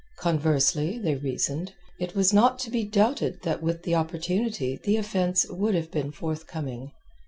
Conversely, they reasoned, it was not to be doubted that with the opportunity the offence would have been forthcoming.